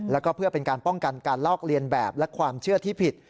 แล้วก็เพื่อเป็นการป้องกันการลอกเลียนแบบและความเชื่อที่ผิด